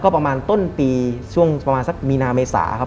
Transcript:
ประมาณต้นปีช่วงประมาณสักมีนาเมษาครับ